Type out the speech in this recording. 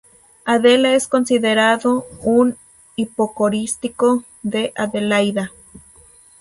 Adela es considerado un hipocorístico de Adelaida.